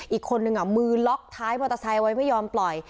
อีกคนนึงมือล็อกท้ายมอเตอร์ไซค์ไว้ไม่ยอมปล่อย